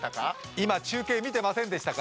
今、中継、見てませんでしたか？